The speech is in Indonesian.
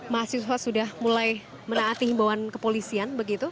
mereka sudah mulai menaati bawaan kepolisian